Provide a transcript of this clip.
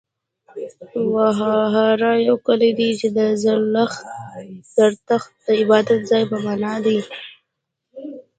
وهاره يو کلی دی، چې د زرتښت د عبادت ځای په معنا دی.